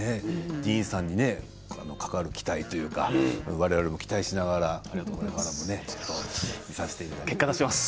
ディーンさんにかかる期待というか我々も期待しながらこれから見させていただきたいと思います。